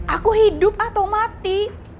aku hidup atau mati